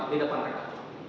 di depan mereka